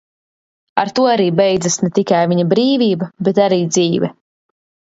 Ar to arī beidzās ne tikai viņa brīvība, bet arī dzīve.